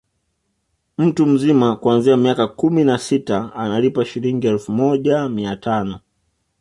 Mtu mzima kuanzia miaka kumi na sita analipa Shilingi elfu moja mia tano